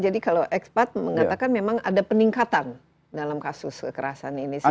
jadi kalau ekspat mengatakan memang ada peningkatan dalam kasus kekerasan ini secara keseluruhan